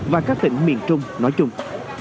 và các tỉnh miền trung nói chung